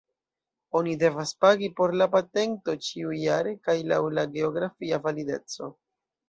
Oni devas pagi por la patento ĉiujare kaj laŭ la geografia valideco.